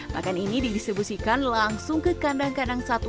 pakan ini didistribusikan langsung ke kandang kandang satu